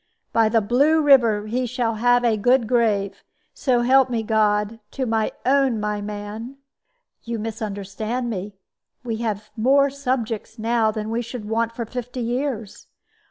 By the Blue River he shall have a good grave. So help me God, to my own, my man!" "You misunderstand me. We have more subjects now than we should want for fifty years.